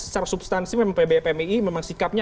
secara substansi pb pmi memang sikapnya